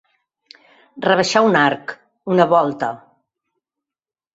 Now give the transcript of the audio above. Rebaixar un arc, una volta.